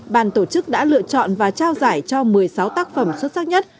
bàn tổ chức đã lựa chọn và trao giải cho một mươi sáu tác phẩm xuất sắc nhất